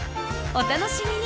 お楽しみに！